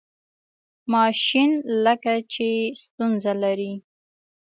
ماشین لکه چې ستونزه لري.